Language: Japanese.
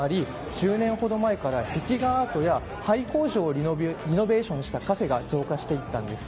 １０年ほど前から壁画アートや廃工場をリノベーションしたカフェが増加していったんです。